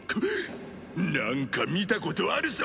なんか見たことあるぞ。